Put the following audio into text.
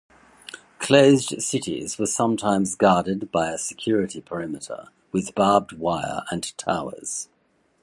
Closed cities were sometimes guarded by a security perimeter with barbed wire and towers.